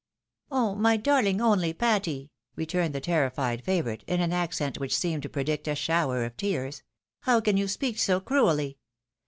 "Oh! my darling, only Patty!" returned the terrified favourite, in an accent which seemed to predict a shower of tears ;*" how can you speak so cruelly